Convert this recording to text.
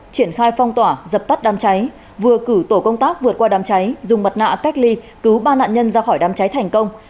triển khai phong tỏa dập tắt đám cháy vừa cử tổ công tác vượt qua đám cháy dùng mặt nạ cách ly cứu ba nạn nhân ra khỏi đám cháy thành công